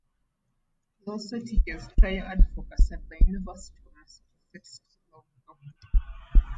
He also teaches trial advocacy at the University of Massachusetts School of Law.